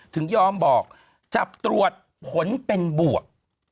ถึงยอมบอกจับตรวจผลเป็นบวก